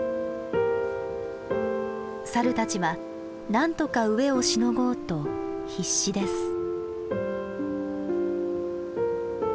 サルたちはなんとか飢えをしのごうと必死です。